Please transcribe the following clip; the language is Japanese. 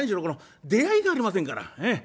この出会いがありませんから。